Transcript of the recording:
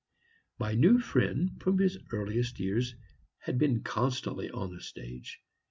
My new friend from his earliest years had been constantly on the stage.